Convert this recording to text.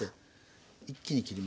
一気に切りますね。